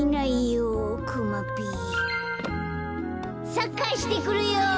サッカーしてくるよ。